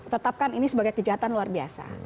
tetapkan ini sebagai kejahatan luar biasa